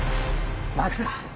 マジか。